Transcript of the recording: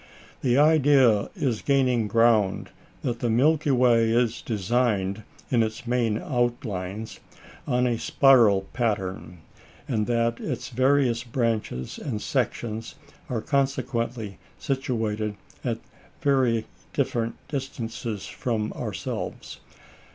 The idea is gaining ground that the Milky Way is designed, in its main outlines, on a spiral pattern, and that its various branches and sections are consequently situated at very different distances from ourselves.